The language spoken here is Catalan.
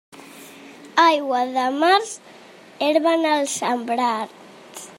Aigua de març, herba en els sembrats.